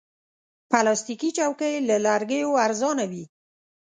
پلاستيکي چوکۍ له لرګیو ارزانه وي.